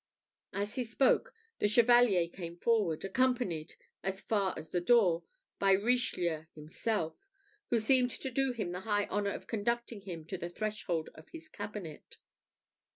As he spoke, the Chevalier came forward, accompanied, as far as the door, by Richelieu himself, who seemed to do him the high honour of conducting him to the threshold of his cabinet.